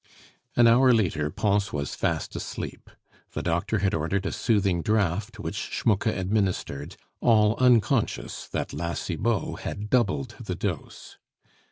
An hour later, Pons was fast asleep. The doctor had ordered a soothing draught, which Schmucke administered, all unconscious that La Cibot had doubled the dose.